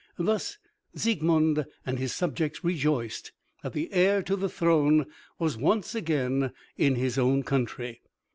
Thus Siegmund and his subjects rejoiced that the heir to the throne was once again in his own country.